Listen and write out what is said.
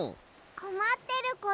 こまってること？